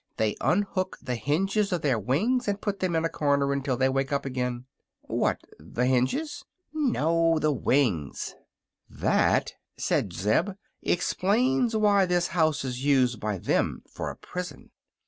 they unhook the hinges of their wings and put them in a corner until they wake up again." "What, the hinges?" "No; the wings." "That," said Zeb, "explains why this house is used by them for a prison.